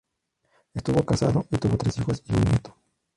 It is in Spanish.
Estuvo casado, y tuvo tres hijos y un nieto.